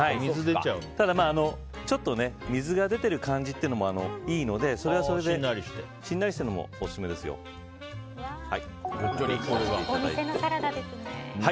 ただ、水が出ている感じというのもいいのでそれはそれでしんなりしてるのもお店のサラダですね。